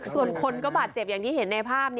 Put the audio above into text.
ส่วนคนก็บาดเจ็บอย่างที่เห็นในภาพ